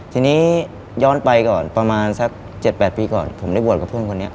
ทีนี้ย้อนไปก่อนประมาณสัก๗๘ปีก่อนผมได้บวชกับเพื่อนคนนี้